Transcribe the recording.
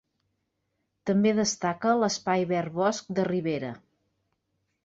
També destaca l'espai verd Bosc de ribera.